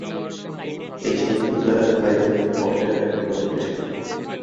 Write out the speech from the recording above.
এই সুরক্ষিত এলাকার বাইরে, ফল্ট এলাকাটি কম দৃশ্যমান।